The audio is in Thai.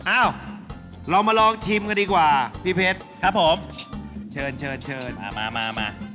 อ้าวเรามาลองชิมกันดีกว่าพี่เพชรครับผมชวนมา